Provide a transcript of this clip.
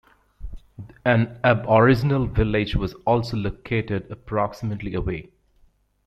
An aboriginal village was also located approximately away.